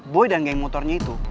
boy dan geng motornya itu